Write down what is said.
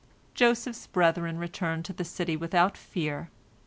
" Joseph's brethren returned to the city without fear.